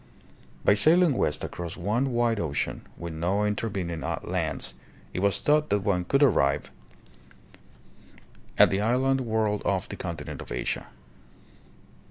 By sailing west across one wide, ocean, with no interven ing lands, it was thought that one could arrive at the island world off the continent of Asia.